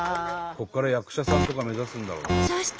ここから役者さんとか目指すんだろうな。